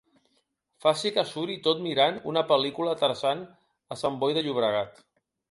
Faci que suri tot mirant una pel·lícula de Tarzan a Sant Boi de Llobregat.